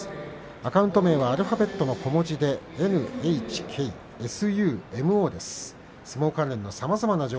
アカウント名はアルファベットの小文字でｎｈｋｓｕｍｏです。